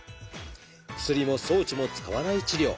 薬も装置も使わない治療。